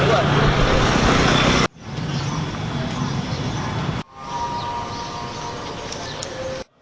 สวัสดีครับทุกคน